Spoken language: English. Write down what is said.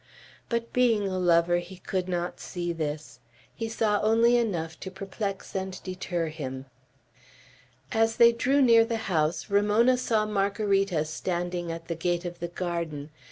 But being a lover, he could not see this. He saw only enough to perplex and deter him. As they drew near the house, Ramona saw Margarita standing at the gate of the garden.